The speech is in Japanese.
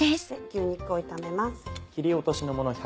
牛肉を炒めます。